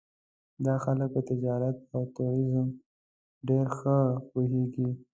دا خلک په تجارت او ټوریزم ډېر ښه پوهېږي.